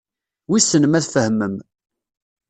Wissen ma tfehmem.